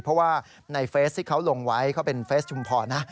เพราะว่าในเฟสที่เขาลงไว้เขาเป็นเฟสชุมพรนะ